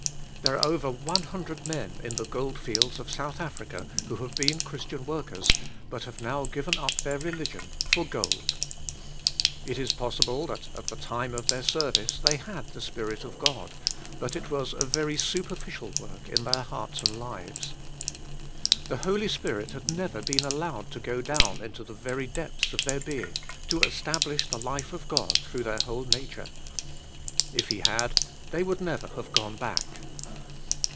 There are over 100 men in the gold fields of South Africa who have been Christian workers but have now given up their religion for gold. It is possible that at the time of their service they had the Spirit of God but it was a very superficial work in their hearts and lives. The Holy Spirit had never been allowed to go down into the very depths of their being to establish the life of God through their whole nature. If He had, they would never have gone back.